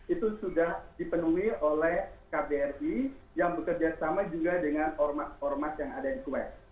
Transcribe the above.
itu sudah dipenuhi oleh kbri yang bekerja sama juga dengan ormas ormas yang ada di kuwait